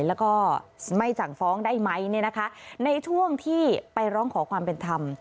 แล้วก็ไม่สั่งฟ้องได้ไหมเนี่ยนะคะในช่วงที่ไปร้องขอความเป็นธรรม